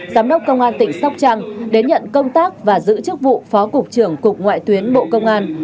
giám đốc công an tỉnh sóc trăng đến nhận công tác và giữ chức vụ phó cục trưởng cục ngoại tuyến bộ công an